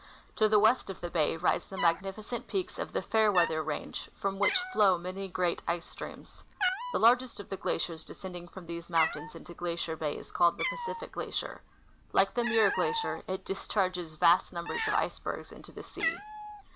To the west of the bay rise the magnificent peaks of the Fairweather range, from which flow many great ice streams. The largest of the glaciers descending from these mountains into Glacier bay is called the Pacific glacier. Like the Muir glacier, it discharges vast numbers of icebergs into the sea.